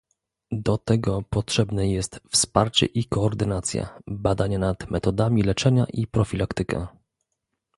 Do tego potrzebne jest wsparcie i koordynacja, badania nad metodami leczenia i profilaktyka